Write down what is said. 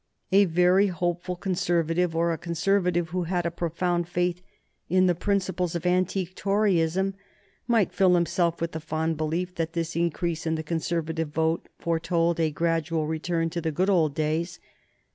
A very hopeful Conservative, or a Conservative who had a profound faith in the principles of antique Toryism, might fill himself with the fond belief that this increase in the Conservative vote foretold a gradual return to the good old days.